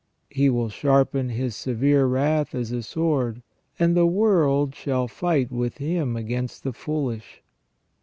" He will sharpen His severe wrath as a sword, and the world shall fight with Him against the foolish."